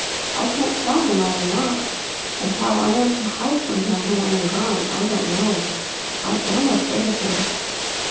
I can't tell him I am not, and how I am to hide from him when I am gone, I don't know. I am afraid of him."